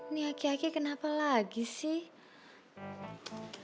nih aki aki kenapa lagi sih